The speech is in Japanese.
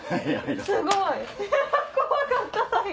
すごい！怖かった最後。